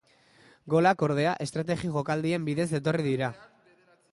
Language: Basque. Golak, ordea, estrategi jokaldien bitartez etorri dira.